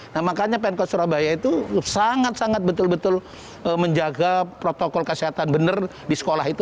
nah makanya pemkot surabaya itu sangat sangat betul betul menjaga protokol kesehatan benar di sekolah itu